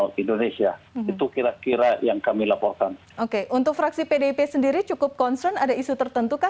jenderal andika perkasa